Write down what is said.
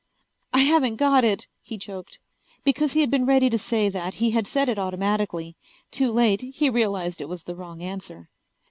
"I haven't got it," he choked. Because he had been ready to say that he had said it automatically. Too late he realized it was the wrong answer.